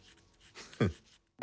フッ。